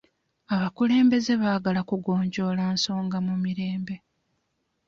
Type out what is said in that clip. Abakulembeze baagala kugonjoola ensonga mu mirembe.